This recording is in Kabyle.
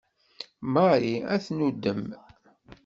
Marie ad tennuddem.